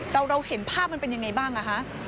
เราเห็นภาพมันเป็นยังไงบ้างคะ